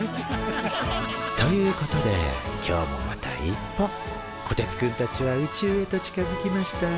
ということで今日もまた一歩こてつくんたちは宇宙へと近づきました。